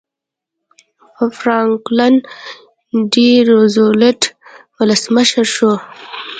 فرانکلن ډي روزولټ ولسمشر شو.